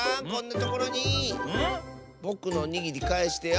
ぼくのおにぎりかえしてよ！